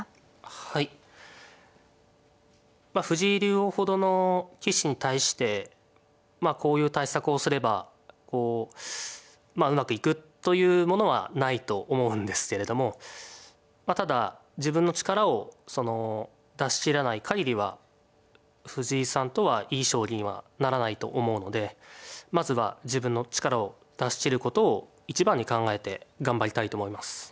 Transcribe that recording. はい藤井竜王ほどの棋士に対してまあこういう対策をすればうまくいくというものはないと思うんですけれどもただ自分の力を出し切らない限りは藤井さんとはいい将棋にはならないと思うのでまずは自分の力を出し切ることを一番に考えて頑張りたいと思います。